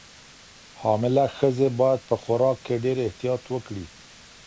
حامله ښځې باید په خوراک کې ډېر احتیاط وکړي.